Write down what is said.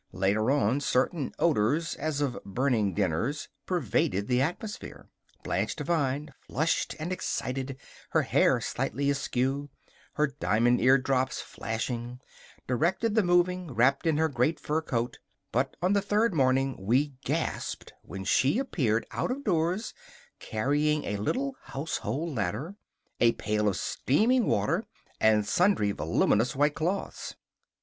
Later on certain odors, as of burning dinners, pervaded the atmosphere. Blanche Devine, flushed and excited, her hair slightly askew, her diamond eardrops flashing, directed the moving, wrapped in her great fur coat; but on the third morning we gasped when she appeared out of doors, carrying a little household ladder, a pail of steaming water, and sundry voluminous white cloths.